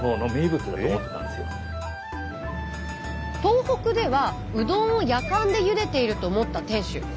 東北ではうどんをやかんでゆでていると思った店主。